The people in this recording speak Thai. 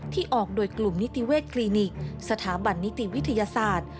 ออกโดยกลุ่มนิติเวชคลินิกสถาบันนิติวิทยาศาสตร์